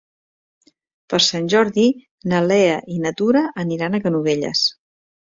Per Sant Jordi na Lea i na Tura aniran a Canovelles.